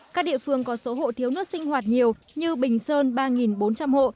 các địa phương có số hộ thiếu nước sinh hoạt nhiều như bình sơn ba bốn trăm linh hộ